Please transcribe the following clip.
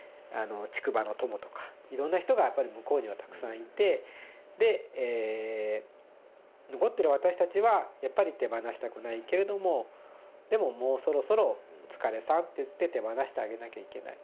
竹馬の友とかいろんな人がやっぱり向こうにはたくさんいてでえ残ってる私たちはやっぱり手放したくないけれどもでももうそろそろ「お疲れさん」っていって手放してあげなきゃいけない。